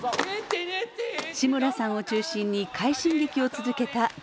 志村さんを中心に快進撃を続けたドリフターズ。